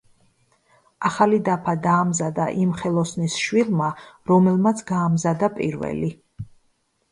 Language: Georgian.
ახალი დაფა დაამზადა იმ ხელოსნის შვილმა, რომელმაც გაამზადა პირველი.